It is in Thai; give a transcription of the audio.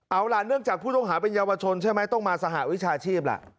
เอาล่ะเนื่องจากผู้ต้องหาเป็นเยาวชนใช่ไหมต้องมาสหวิชาชีพล่ะ